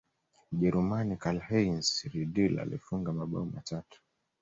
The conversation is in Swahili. mjerumani karlheinz riedle alifunga mabao matatu